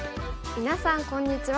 みなさんこんにちは。